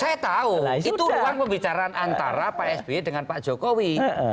saya tahu itu ruang pembicaraan antara pak sby dengan pak jokowi